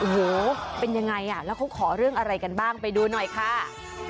โอ้โหเป็นยังไงอ่ะแล้วเขาขอเรื่องอะไรกันบ้างไปดูหน่อยค่ะ